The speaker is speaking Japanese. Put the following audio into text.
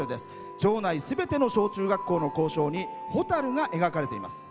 町内すべての小中学校の校章にホタルが描かれています。